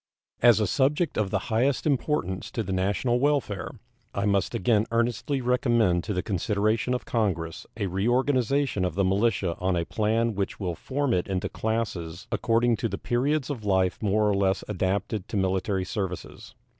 As a subject of the highest importance to the national welfare, I must again earnestly recommend to the consideration of Congress a reorganization of the militia on a plan which will form it into classes according to the periods of life more or less adapted to military services.